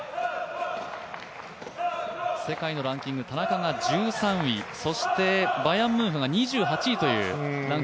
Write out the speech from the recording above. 世界のランキング田中が１３位、バヤンムンフが２８位というラン